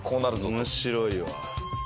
面白いわ。